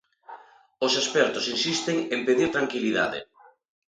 Os expertos insisten en pedir tranquilidade.